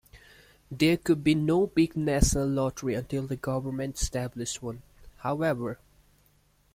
There could be no big national lottery until the Government established one, however.